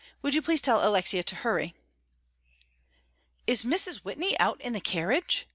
Would you please tell Alexia to hurry?" "Is Mrs. Whitney out in the carriage?"